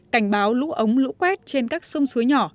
cảnh báo lũ ống lũ quét trên các sông suối nhỏ